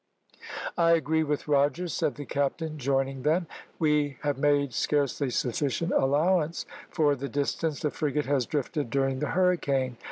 "I agree with Rogers," said the captain, joining them. "We have made scarcely sufficient allowance for the distance the frigate has drifted during the hurricane.